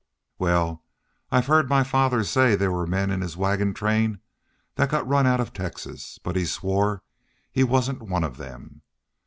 Wal, I've heard my father say there were men in his wagon train that got run out of Texas, but he swore he wasn't one of them.